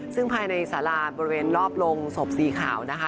ซึ่งภายในสาราบริเวณรอบโรงศพสีขาวนะคะ